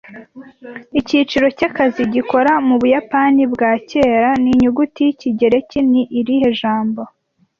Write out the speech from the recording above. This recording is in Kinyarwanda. Icyiciro cyakazi gikora mubuyapani bwakera ninyuguti yikigereki ni irihe jambo